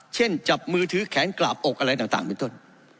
จับมือถือแขนกราบอกอะไรต่างเป็นต้น